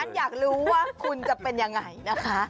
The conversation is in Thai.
อยากรู้ว่าคุณจะเป็นยังไงนะคะ